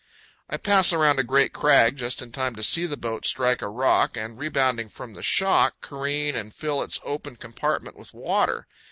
I pass around a great crag just in time to see the boat strike a rock and, rebounding from the shock, careen and fill its open compartment with water.